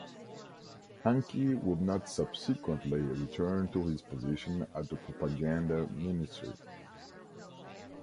Hanke would not subsequently return to his position at the Propaganda Ministry.